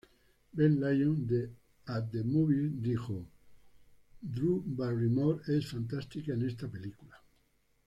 Ben Lyon de At The Movies, dijo: "Drew Barrymore es fantástica en esta película".